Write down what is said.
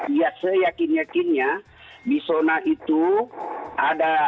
dia seyakin yakinnya di zona itu ada